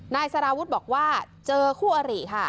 นายสารวุฒิบอกว่าเจอคู่อริค่ะ